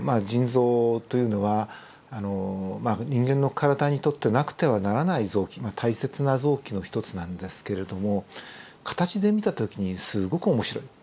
腎臓というのはまあ人間の体にとってなくてはならない臓器大切な臓器の一つなんですけれども形で見た時にすごく面白い。